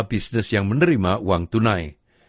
bisnis yang menerima uang tunai